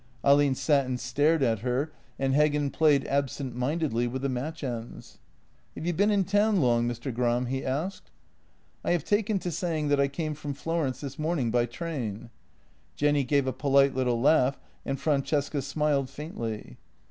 Ahlin sat and stared at her and Heggen played absent mindedly with the match ends. " Have you been in town long, Mr. Gram? " he asked. " I have taken to saying that I came from Florence this morning by train." Jenny gave a polite little laugh, and Francesca smiled faintly.